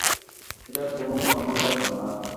এটা কোন নরমাল ব্যাপার না।